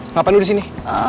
ngapain lu disini